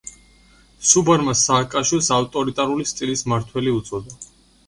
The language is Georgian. სუბარმა სააკაშვილს ავტორიტარული სტილის მმართველი უწოდა.